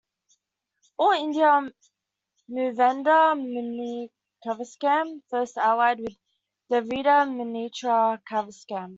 All India Moovendar Munnani Kazhagam first allied with Dravida Munnetra Kazhagam.